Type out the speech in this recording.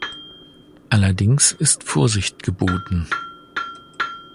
Allerdings ist Vorsicht geboten.